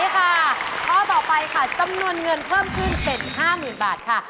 ข้อต่อไปค่ะจำนวนเงินเพิ่มขึ้นเป็น๕๐๐๐บาทค่ะ